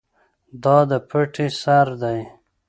دا د پټی سر دی.